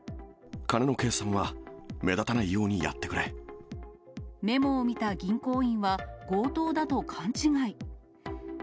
金の計算は目立たないようにメモを見た銀行員は、強盗だと勘違い。